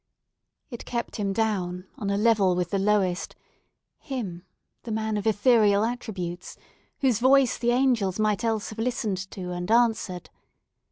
It kept him down on a level with the lowest; him, the man of ethereal attributes, whose voice the angels might else have listened to and answered!